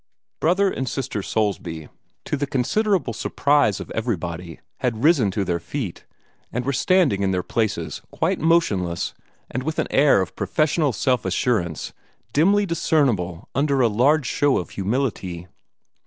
Brother and Sister Soulsby, to the considerable surprise of everybody, had risen to their feet, and were standing in their places, quite motionless, and with an air of professional self assurance dimly discernible under a large show of humility.